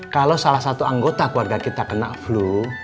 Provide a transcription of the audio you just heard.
kalau salah satu anggota keluarga kita kena flu